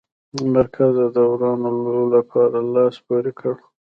مرکز د ورانولو لپاره لاس پوري کړ.